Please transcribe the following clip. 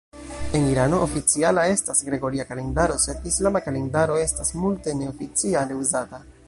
En Irano oficiala estas gregoria kalendaro sed islama kalendaro estas multe neoficiale uzata.